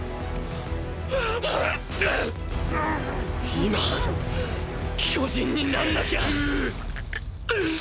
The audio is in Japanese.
今巨人になんなきゃ！